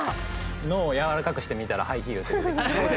脳をやわらかくして見たらハイヒールって出てきて。